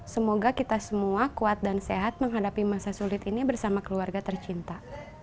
semoga kita semua kuat dan sehat menghadapi masa sulit ini bersama keluarga tercinta